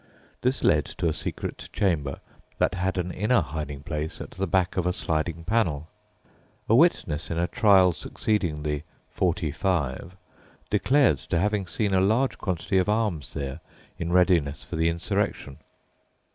This led to a secret chamber, that had an inner hiding place at the back of a sliding panel. A witness in a trial succeeding "the '45" declared to having seen a large quantity of arms there in readiness for the insurrection.